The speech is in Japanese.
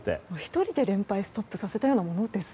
１人で連敗をストップさせたようなものです。